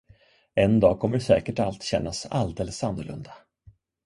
En dag kommer säkert allt kännas alldeles annorlunda.